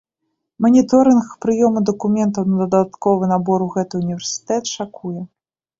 Маніторынг прыёму дакументаў на дадатковы набор у гэты ўніверсітэт шакуе!